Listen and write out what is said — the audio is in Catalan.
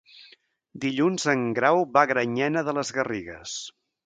Dilluns en Grau va a Granyena de les Garrigues.